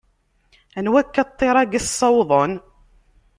Anwa akka ṭṭir-agi ssawḍen?